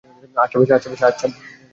আচ্ছা, বেশ।